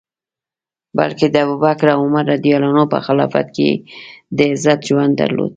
بلکه د ابوبکر او عمر رض په خلافت کي یې د عزت ژوند درلود.